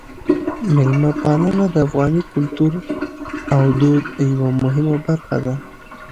میلمه پالنه د افغاني کلتور او دود یوه مهمه برخه ده.